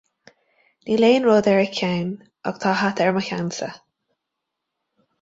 Níl aon rud ar a ceann, ach tá hata ar mo cheannsa